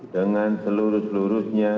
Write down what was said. dengan seluruh seluruhnya